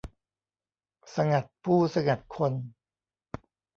สงัดผู้สงัดคน